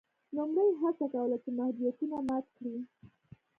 نوموړي هڅه کوله چې محدودیتونه مات کړي.